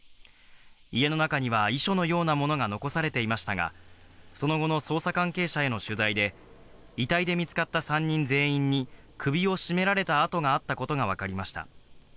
家の中には遺書のようなものが残されていましたが、その後の捜査関係者への取材で、遺体で見つかった３人全員に首を絞められた痕があったことがわかりました。